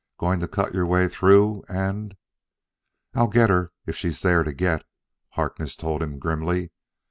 "Going to cut your way through and " "I'll get her if she's there to get," Harkness told him grimly.